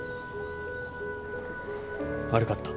悪かった。